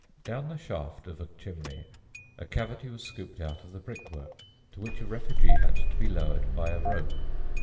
Down the shaft of a chimney a cavity was scooped out of the brickwork, to which a refugee had to be lowered by a rope.